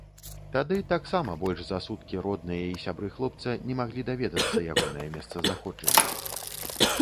Тады таксама больш за суткі родныя і сябры хлопца не маглі даведацца ягонае месцазнаходжанне.